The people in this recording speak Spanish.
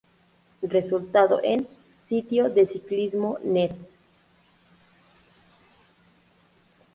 Resultado en sitiodeciclismo, net